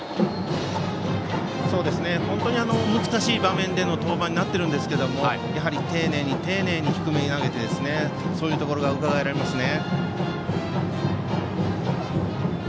本当に難しい場面での登板になってるんですけれども丁寧に丁寧に低めに投げてそういうところがうかがえますね。